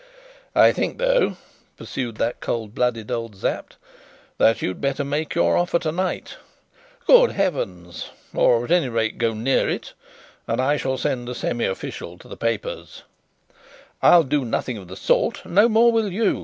"I think, though," pursued that cold blooded old Sapt, "that you'd better make your offer tonight." "Good heavens!" "Or, any rate, go near it: and I shall send a 'semi official' to the papers." "I'll do nothing of the sort no more will you!"